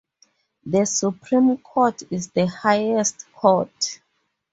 The Supreme Court is the highest court.